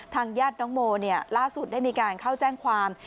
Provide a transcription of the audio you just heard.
ญาติน้องโมล่าสุดได้มีการเข้าแจ้งความ